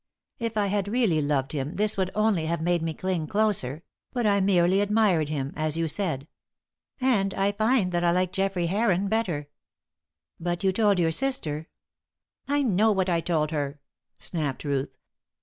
If I had really loved him this would only have made me cling closer; but I merely admired him as you said. And I find that I like Geoffrey Heron better." "But you told your sister " "I know what I told her!" snapped Ruth.